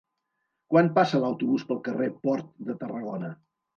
Quan passa l'autobús pel carrer Port de Tarragona?